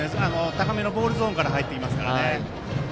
高めのボールゾーンから入ってきますから。